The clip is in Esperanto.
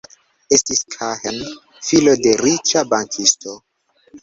Estis Kahn, filo de riĉa bankisto.